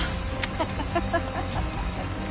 ハハハハハハ。